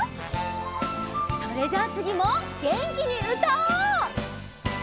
それじゃあつぎもげんきにうたおう！